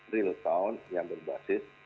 real count yang berbasis